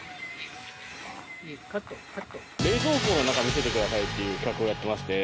冷蔵庫の中見せてくださいっていう企画をやってまして。